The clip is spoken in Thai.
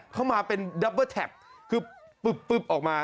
เข้ามาเป็นดับเบอร์แท็กคือปึ๊บออกมา